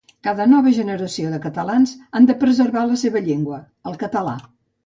Cada nova generació de catalans han de preservar la seva llengua el català.